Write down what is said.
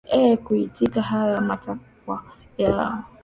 ee kuitikia haya matakwa yao